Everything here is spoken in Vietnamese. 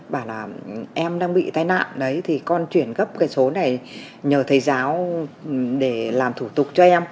bảo là em đang bị tai nạn đấy thì con chuyển gấp cái số này nhờ thầy giáo để làm thủ tục cho em